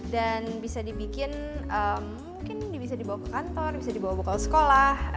dan bisa dibikin mungkin bisa dibawa ke kantor bisa dibawa ke sekolah